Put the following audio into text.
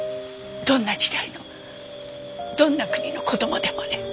どんな時代のどんな国の子供でもね。